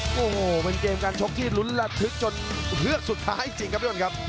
โอ้โหเป็นเกมการชกที่ลุ้นระทึกจนเฮือกสุดท้ายจริงครับทุกคนครับ